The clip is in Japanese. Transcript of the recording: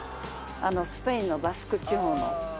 スペインのバスク地方の。